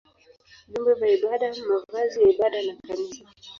vyombo vya ibada, mavazi ya ibada na kanisa.